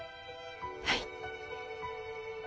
はい。